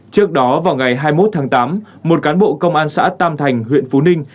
trước đó vào ngày hai mươi một tháng tám một cán bộ công an xã tam thành huyện phú ninh